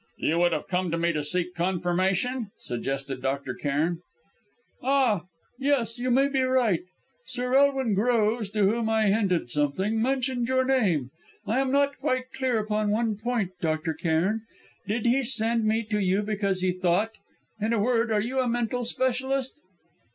"You would have come to me to seek confirmation?" suggested Dr. Cairn. "Ah! yes, you may be right. Sir Elwin Groves, to whom I hinted something, mentioned your name. I am not quite clear upon one point, Dr. Cairn. Did he send me to you because he thought in a word, are you a mental specialist?"